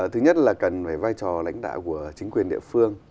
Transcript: thứ nhất là cần phải vai trò lãnh đạo của chính quyền địa phương